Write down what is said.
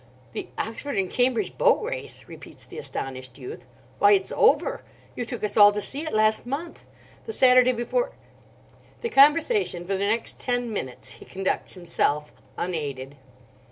"The Oxford and Cambridge Boat race!" repeats the astonished youth. "Why, it's over. You took us all to see it, last month. The Saturday before—" The conversation for the next ten minutes he conducts himself, unaided.